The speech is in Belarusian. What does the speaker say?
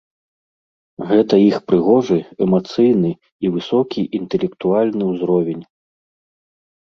Гэта іх прыгожы, эмацыйны і высокі інтэлектуальны ўзровень.